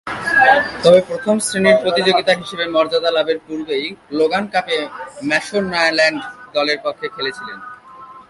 তবে, প্রথম-শ্রেণীর প্রতিযোগিতা হিসেবে মর্যাদা লাভের পূর্বেই লোগান কাপে ম্যাশোনাল্যান্ড দলের পক্ষে খেলেছিলেন।